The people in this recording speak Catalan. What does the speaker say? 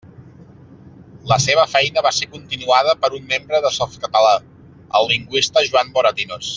La seva feina va ser continuada per un membre de Softcatalà, el lingüista Joan Moratinos.